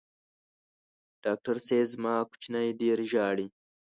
ډاکټر صېب زما کوچینی ډېر ژاړي